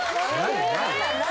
何？